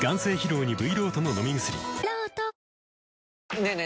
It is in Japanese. ねえねえ